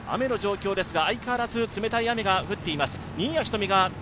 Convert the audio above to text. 雨の状況ですが、相変わらず冷たい雨が降っています。